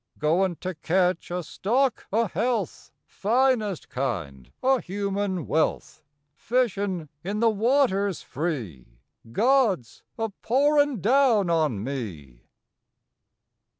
Goin to ketch a stock o health Finest kind o human wealth Fishin in the waters free God s a pourin down on me.